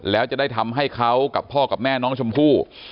แล้วจะได้ทำให้เขากับพ่อกับแม่น้องชมพู่